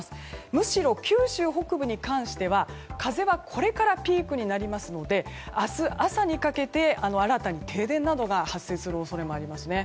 むしろ九州北部に関しては風はこれからピークになりますので明日朝にかけて新たに停電などが発生する恐れもありますね。